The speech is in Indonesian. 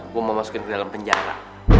gue mau masukin ke dalam penjara